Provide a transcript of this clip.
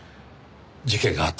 事件があった